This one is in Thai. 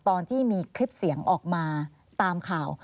ตอนที่มีคลิปเสียงออกมาตามข่าว